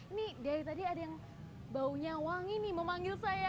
ini dari tadi ada yang baunya wangi nih memanggil saya